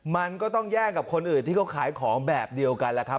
มันก็ต้องแย่งกับคนอื่นที่เขาขายของแบบเดียวกันแหละครับ